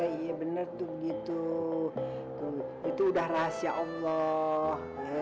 iya bener tuh gitu itu udah rahasia allah